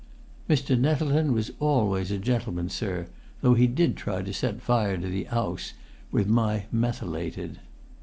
"Mr. Nettleton was always a gentleman, sir, though he did try to set fire to the 'ouse with my methylated."